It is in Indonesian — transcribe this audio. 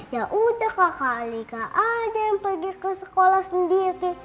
yaudah kakak alika ada yang pergi ke sekolah sendiri